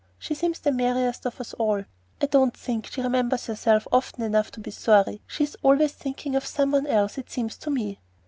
She seems the merriest of us all." "I don't think she remembers herself often enough to be sorry. She is always thinking of some one else, it seems to me."